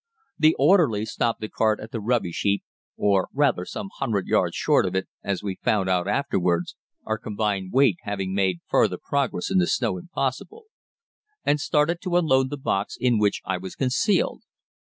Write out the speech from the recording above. The orderlies stopped the cart at the rubbish heap (or rather some hundred yards short of it, as we found out afterwards, our combined weight having made farther progress in the snow impossible), and started to unload the box in which I was concealed.